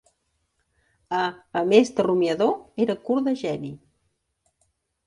A emés de rumiador, era curt de geni